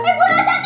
tunggu bentar aja